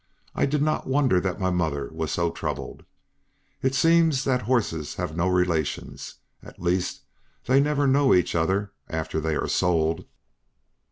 I did not wonder that my mother was so troubled. It seems that horses have no relations; at least they never know each other after they are sold.